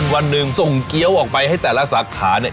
วันหนึ่งส่งเกี้ยวออกไปให้แต่ละสาขาเนี่ย